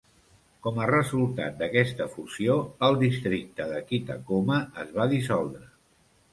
Com a resultat d'aquesta fusió, el districte de Kitakoma es va dissoldre.